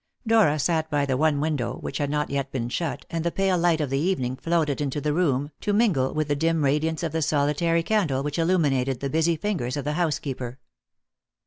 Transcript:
Dora sat by the one window, which had not yet been shut, and the pale light of the evening floated into the room, to mingle with the dim radiance of the solitary candle which illuminated the busy fingers of the housekeeper.